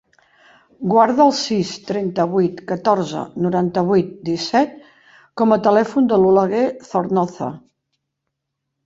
Guarda el sis, trenta-vuit, catorze, noranta-vuit, disset com a telèfon de l'Oleguer Zornoza.